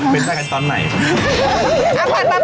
เป็นไปกันตอนไหน